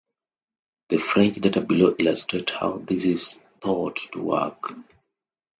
The French data below illustrate how this is thought to work.